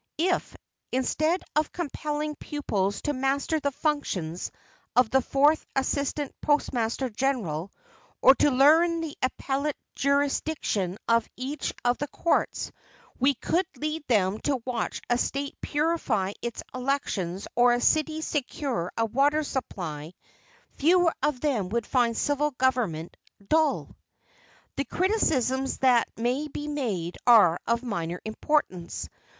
If, instead of compelling pupils to master the functions of the Fourth Assistant Postmaster General, or to learn the appellate jurisdiction of each of the courts, we could lead them to watch a State purify its elections or a city secure a water supply, fewer of them would find civil government "dull." The criticisms that may be made are of minor importance.